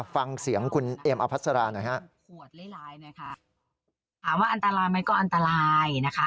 ฟังเสียงคุณเอมอภัศรานะครับ